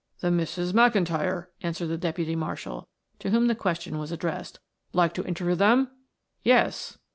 "The Misses McIntyre," answered the deputy marshal, to whom the question was addressed. "Like to interview them?" "Yes."